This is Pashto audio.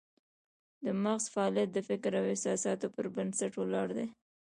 د مغز فعالیت د فکر او احساساتو پر بنسټ ولاړ دی